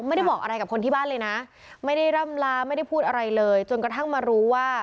ไม่ได้บอกอะไรกับคนที่บ้านเลยนะไม่ได้ร่ำลาไม่ได้พูดอะไรเลยจนกระทั่งมารู้ว่า